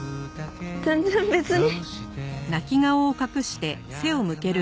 全然別に。